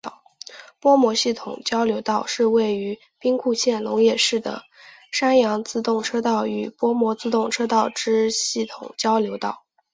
播磨系统交流道是位于兵库县龙野市的山阳自动车道与播磨自动车道之系统交流道。